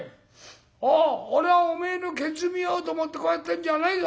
おう俺はおめえのケツ見ようと思ってこうやってんじゃないぞ」。